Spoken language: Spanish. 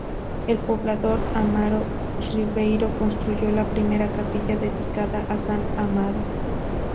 El poblador Amaro Ribeiro construyó la primera capilla dedicada a San Amaro.